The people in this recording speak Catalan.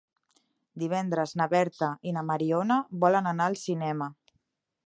Divendres na Berta i na Mariona volen anar al cinema.